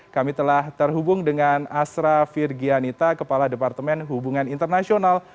kami telah terhubung dengan asra firgianita kepala departemen hubungan internasional